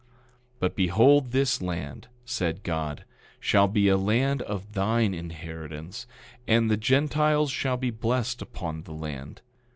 10:10 But behold, this land, said God, shall be a land of thine inheritance, and the Gentiles shall be blessed upon the land.